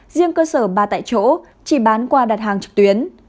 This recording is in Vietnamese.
riêng cơ sở ba tại chỗ chỉ bán qua đặt hàng trực tuyến